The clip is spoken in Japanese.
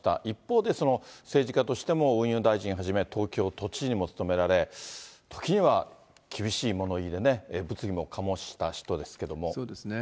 一方で、政治家としても、運輸大臣はじめ、東京都知事も務められ、時には厳しい物言いでね、物議も醸した人ですけれども。